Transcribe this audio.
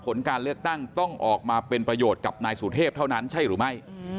ผลการเลือกตั้งต้องออกมาเป็นประโยชน์กับนายสุเทพเท่านั้นใช่หรือไม่